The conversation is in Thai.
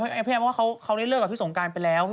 เพราะว่าเขาได้เลิกกับพี่สงการไปแล้ว